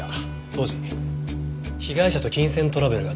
当時被害者と金銭トラブルがあったそうですね。